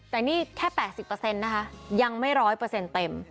แต่นี่แค่๘๐นะคะยังไม่๑๐๐เต็ม